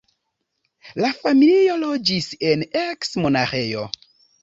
La familio loĝis en eks-monaĥejo.